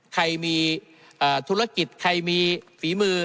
ใครมีธุรกิจใครมีฝีมือ